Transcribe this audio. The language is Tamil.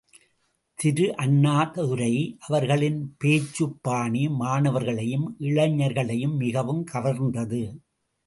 திரு அண்ணாதுரை அவர்களின் பேச்சுப்பாணி மாணவர்களையும், இளைஞர்களையும் மிகவும் கவர்ந்தது.